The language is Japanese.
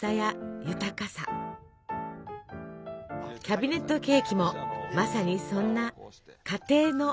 キャビネットケーキもまさにそんな「家庭の」